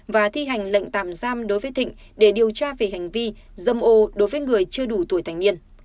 và thi hành lệnh tạm giam đối với thịnh để điều tra về hành vi dâm ô đối với người chưa đủ tuổi thành niên